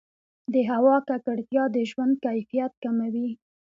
د هوا ککړتیا د ژوند کیفیت کموي.